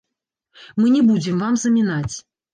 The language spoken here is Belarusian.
Мы не будзем вам замінаць.